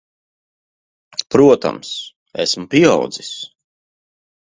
Protams. Esmu pieaudzis.